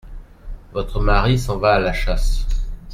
Votre mari s’en va à la chasse…